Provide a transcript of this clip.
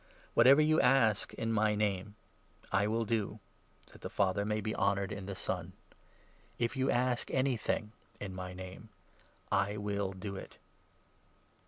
Whatever you ask, in my Name, 13 Twill do, that the Father may he honoured in the Son. If 14 you ask anything, in my Name, I will do it.